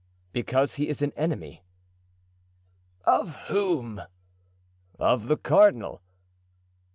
"Because he is an enemy." "Of whom?" "Of the cardinal."